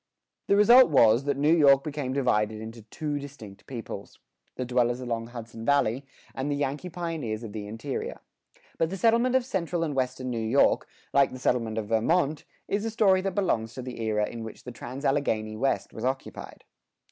The result was, that New York became divided into two distinct peoples: the dwellers along Hudson Valley, and the Yankee pioneers of the interior. But the settlement of central and western New York, like the settlement of Vermont, is a story that belongs to the era in which the trans Alleghany West was occupied.